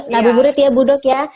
nabi burit ya budok ya